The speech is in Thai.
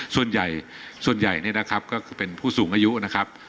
ส่วนใหญ่ส่วนใหญ่เนี่ยนะครับก็คือเป็นผู้สูงอายุนะครับ